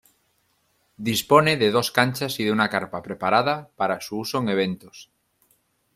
Dispone de dos canchas y de una carpa preparada para su uso en eventos.